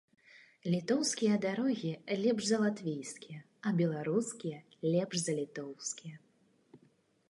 Літоўскія дарогі лепш за латвійскія, а беларускія лепш за літоўскія.